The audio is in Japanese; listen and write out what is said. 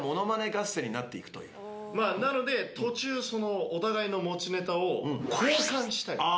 なので途中お互いの持ちネタを交換したり。